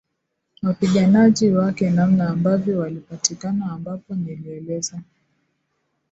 wapiganaji wake namna ambavyo walipatikana ambapo nilieleza